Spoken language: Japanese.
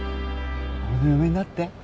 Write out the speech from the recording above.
俺の嫁になって。